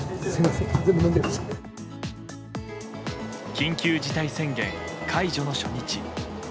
緊急事態宣言解除の初日。